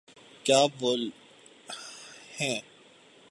کیا بول ہیں۔